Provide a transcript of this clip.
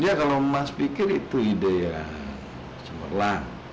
ya kalau mas pikir itu ide ya cemerlang